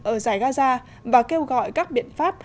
ở dài gaza và kêu gọi các biện pháp